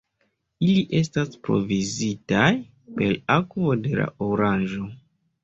Ili estas provizitaj per akvo de la Oranĝo.